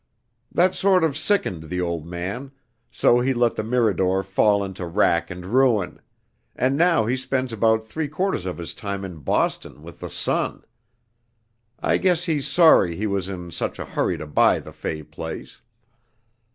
That sort of sickened the old man, so he let the Mirador fall into rack and ruin; and now he spends about three quarters of his time in Boston with the son. I guess he's sorry he was in such a hurry to buy the Fay place.